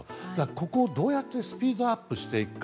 ここをどうやってスピードアップしていくか。